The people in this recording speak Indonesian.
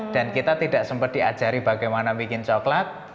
dan kita tidak sempat diajari bagaimana membuat coklat